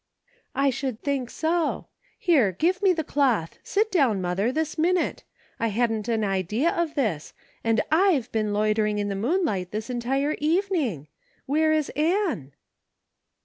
" I should think so ! Here, give me the cloth ; sit down, mother, this minute ; I hadn't an idea of this ; 2/2 A " PROVIDENCE. and Vve been loitering in the moonlight this entire evening. Where is Ann .'"